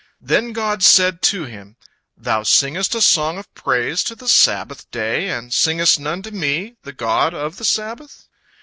Then God said to him, "Thou singest a song of praise to the Sabbath day, and singest none to Me, the God of the Sabbath?"